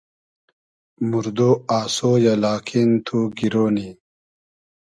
موردۉ آسۉ یۂ لاکین تو گیرۉ نی